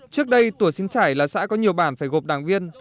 trước đây tổ xin trải là xã có nhiều bản phải gộp đảng viên